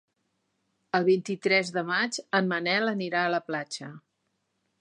El vint-i-tres de maig en Manel anirà a la platja.